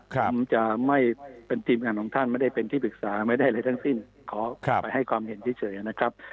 ผมจะไม่เป็นทีมงานของท่านไม่ได้เป็นที่ปรึกษาไม่ได้อะไรทั้งสิ้นขอไปให้ความเห็นเฉยนะครับ